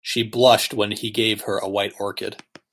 She blushed when he gave her a white orchid.